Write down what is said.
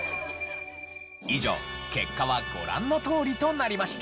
以上結果はご覧のとおりとなりました。